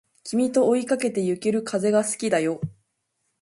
君と追いかけてゆける風が好きだよ